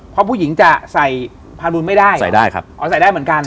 เพราะผู้หญิงจะใส่พารุนไม่ได้ใส่ได้ครับอ๋อใส่ได้เหมือนกัน